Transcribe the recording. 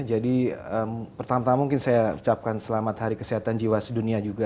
jadi pertama tama mungkin saya ucapkan selamat hari kesehatan jiwa sedunia juga